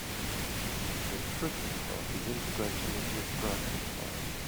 The tricky part is integrating it with Dragonfly.